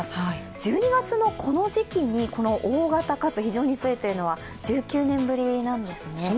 １２月のこの時期に、この大型かつ非常に強いのは１９年ぶりなんですね。